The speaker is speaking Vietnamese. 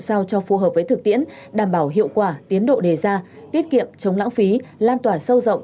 sao cho phù hợp với thực tiễn đảm bảo hiệu quả tiến độ đề ra tiết kiệm chống lãng phí lan tỏa sâu rộng